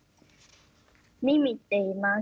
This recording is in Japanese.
みみっていいます。